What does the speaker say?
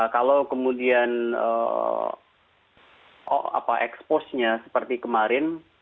kalau kemudian expose nya seperti kemarin